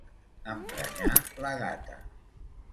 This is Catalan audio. Emprenyar la gata.